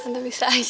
tante bisa aja